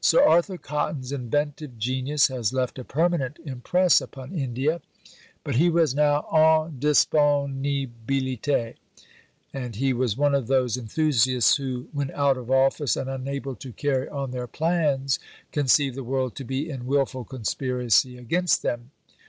Sir Arthur Cotton's inventive genius has left a permanent impress upon India; but he was now en disponibilité, and he was one of those enthusiasts who, when out of office and unable to carry on their plans, conceive the world to be in wilful conspiracy against them.